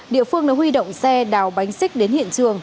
địa phương đã huy động xe đào bánh xích đến hiện trường